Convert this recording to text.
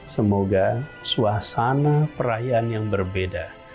semoga suasana perayaan yang berbeda